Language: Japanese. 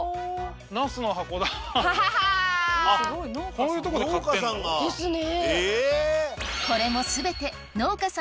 こういうとこで買ってんだ。ですね。